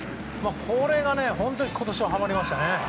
これが本当に今年は、はまりましたね。